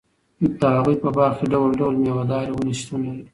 د هغوي په باغ کي ډول٬ډول ميوه داري وني شتون لري